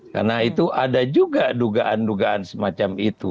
karena itu ada juga dugaan dugaan semacam itu